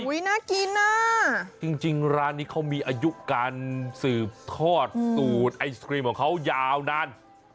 น่ากินน่ะจริงร้านนี้เขามีอายุการสืบทอดสูตรไอศครีมของเขายาวนาน